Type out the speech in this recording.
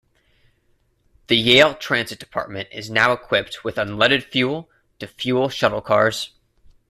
The Yale Transit Department is now equipped with unleaded fuel to fuel shuttle cars.